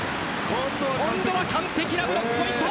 今度は完璧なブロックポイント。